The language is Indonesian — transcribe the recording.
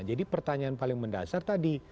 jadi pertanyaan paling mendasar tadi